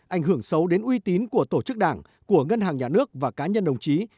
ảnh hưởng xấu đến uy tín của tổ chức đảng của ngân hàng nhà nước và cá nhân đồng chí